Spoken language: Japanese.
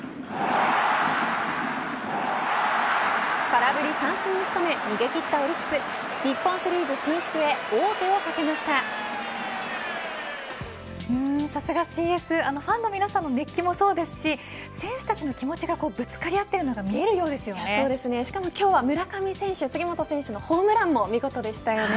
空振り三振に仕留め逃げ切ったオリックス日本シリーズ進出へさすがＣＳファンの皆さんの熱気もそうですし選手の気持ちがぶつかっているのがしかも今日は村上選手杉本選手のホームランも見事でした。